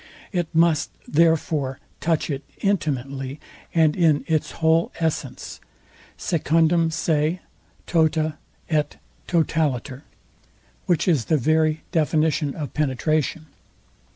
It must therefore touch it intimately, and in its whole essence, SECUNDUM SE, TOTA, ET TOTALITER; which is the very definition of penetration.